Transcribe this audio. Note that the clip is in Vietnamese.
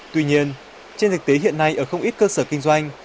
tuy nhiên trên thực tế hiện nay ở không ít cơ sở kinh doanh